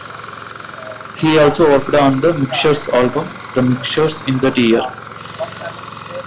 He also worked on The Mixtures album, "The Mixtures", in that year.